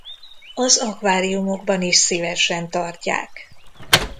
Az akváriumokban is szívesen tartják.